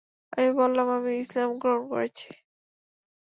আমি বললাম, আমি ইসলাম গ্রহণ করেছি।